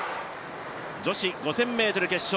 女子５０００ｍ決勝。